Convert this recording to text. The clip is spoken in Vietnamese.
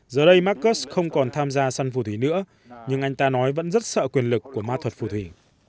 giờ đây marcus không còn tham gia săn phù thủy nữa nhưng anh ta nói vẫn rất sợ quyền lực của ma thuật phù thủy